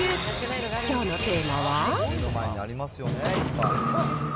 きょうのテーマは。